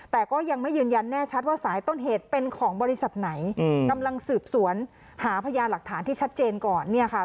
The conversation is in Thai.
แต่ก็ยังไม่ยืนยันแน่ชัดว่าสายต้นเหตุเป็นของบริษัทไหนกำลังสืบสวนหาพยานหลักฐานที่ชัดเจนก่อนเนี่ยค่ะ